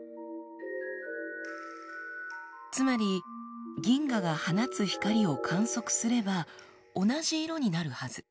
つまり銀河が放つ光を観測すれば同じ色になるはず。